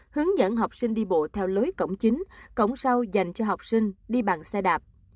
hướng dẫn học sinh đi bộ theo lối cổng chính cổng sau dành cho học sinh đi bằng xe đạp